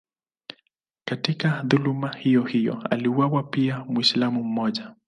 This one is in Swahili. Katika dhuluma hiyohiyo aliuawa pia Mwislamu mmoja.